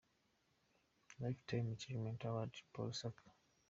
Life Time Achievement Award Paul Saka.